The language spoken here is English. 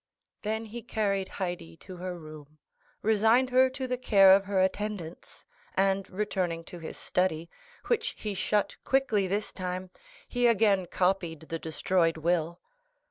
Then he carried Haydée to her room, resigned her to the care of her attendants, and returning to his study, which he shut quickly this time, he again copied the destroyed will.